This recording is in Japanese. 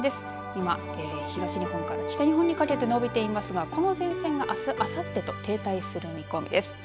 今、東日本から北日本にかけて伸びていますがこの前線が、あす、あさってと停滞する見込みです。